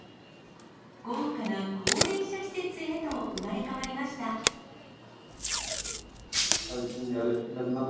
豪華な高齢者施設へと生まれ変わりました。